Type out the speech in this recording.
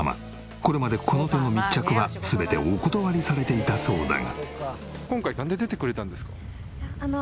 これまでこの手の密着は全てお断りされていたそうだが。